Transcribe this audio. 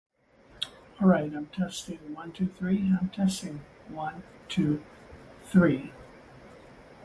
They also used the Cineplex brand name.